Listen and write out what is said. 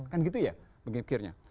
kan gitu ya pikirnya